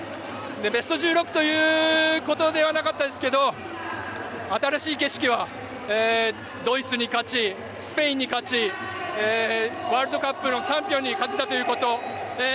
ベスト１６ということではなかったですが新しい景色はドイツに勝ち、スペインに勝ちワールドカップのチャンピオンに勝てたということ。